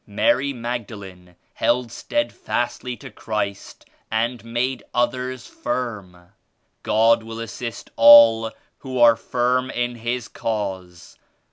Mary Magdalene held steadfastly to Christ and made others firm. God will assist all who are firm in His Cause.